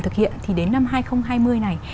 thực hiện thì đến năm hai nghìn hai mươi này